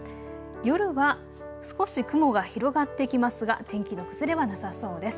夜は少し雲が広がってきますが天気の崩れはなさそうです。